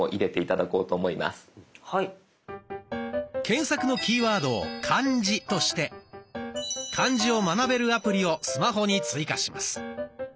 検索のキーワードを「漢字」として漢字を学べるアプリをスマホに追加します。